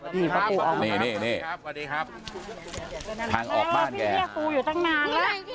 หนูส่างออกบ้านคุณพี่พี่ปูอยู่ตั้งนานล่ะ